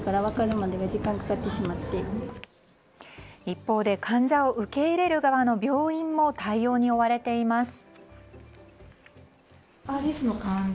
一方で患者を受け入れる側の病院も対応に追われています。